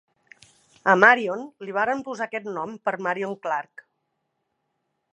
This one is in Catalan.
A Marion li varen posar aquest nom per Marion Clark.